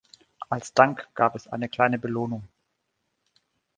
Als Dank gab es eine kleine Belohnung.